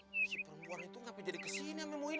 tuh si perempuan itu ngapain jadi kesini amin muhinin